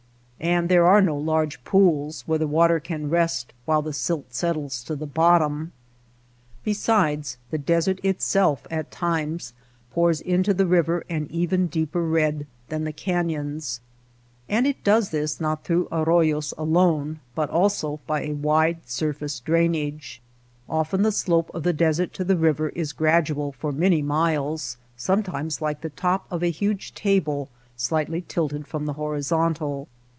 And there are no large pools where the water can rest while the silt settles to the bottom. Besides, the desert itself at times pours into the river an even The blood hue. River changes. Red sands and silt. 68 THE DESERT Eiver banks. ''Bottom' lands. deeper red than the canyons. And it does this not through arroyos alone, but also by a wide surface drainage. Often the slope of the desert to the river is gradual for many miles — sometimes like the top of a huge table slightly tilted from the horizontal.